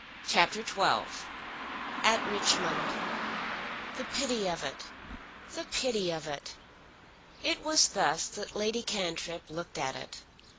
CHAPTER XII At Richmond The pity of it! The pity of it! It was thus that Lady Cantrip looked at it.